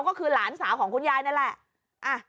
ก็คือหลานสาวของคุณยายนั่นแหละ